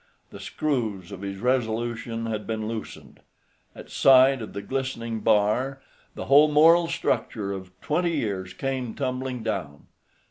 The screws of his resolution had been loosened. At sight of the glistening bar the whole moral structure of twenty years came tumbling down.